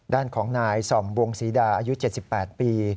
ด้านของนายส่อมวงศรีดาอายุ๗๘ปี